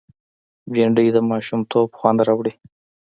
بېنډۍ د ماشومتوب خوند راوړي